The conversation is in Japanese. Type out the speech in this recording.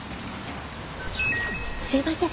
すいません。